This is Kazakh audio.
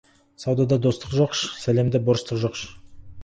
Саудада достық жоқ, сәлемде борыштық жоқ.